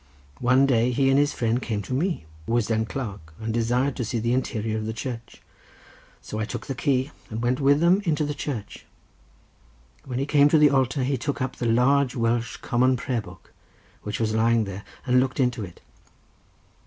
One day he and his friend came to me who was then clerk, and desired to see the interior of the church. So I took the key and went with them into the church. When he came to the altar he took up the large Welsh Common Prayer Book which was lying there and looked into it.